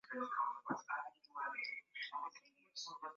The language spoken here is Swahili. na nne ili kufahamu mafanikio ya jeshi hilo katika kupambana na waasi